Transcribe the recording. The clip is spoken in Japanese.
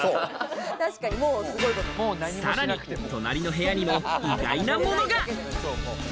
さらに隣の部屋にも意外なものが。